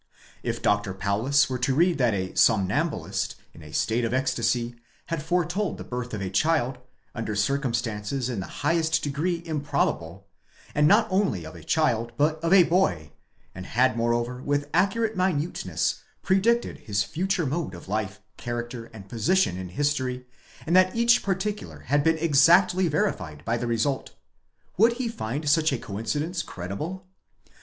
If Dr. Paulus were to read that a somnambulist, in a state of ecstasy, had foretold the birth of a child, under circumstances in the highest degree improbable; and not only of a child, but of a boy ; and had moreover, with accurate minuteness, predicted his future mode of life, character, and position in history ; and that each particular had been exactly verified by the result: would he find such a coincidence credible?